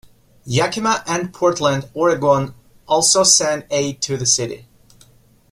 Yakima and Portland, Oregon also sent aid to the city.